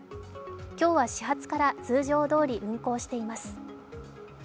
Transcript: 今日は始発から通常どおり運行しています。